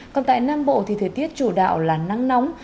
còn tại nam bộ thì thời tiết chủ đạo là nắng nóng